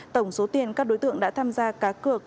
tổng số tiền các đối tượng đã tham gia cá cược